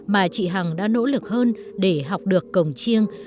mà chị hằng đã nỗ lực hơn để học được cổng chiêng